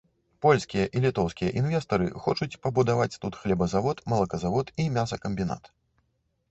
Польскія і літоўскія інвестары хочуць пабудаваць тут хлебазавод, малаказавод і мясакамбінат.